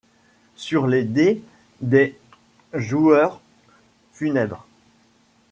Sur les dés des jdueurs funèbres